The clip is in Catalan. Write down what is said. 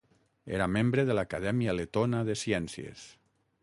Era membre de l'Acadèmia Letona de Ciències.